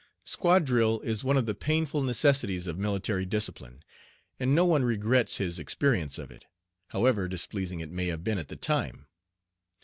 Squad drill is one of the painful necessities of military discipline, and no one regrets his experience of it, however displeasing it may have been at the time.